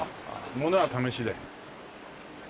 物は試しで。